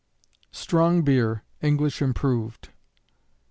_Strong Beer, English Improved.